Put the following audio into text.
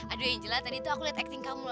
aduh angela tadi tuh aku liat acting kamu loh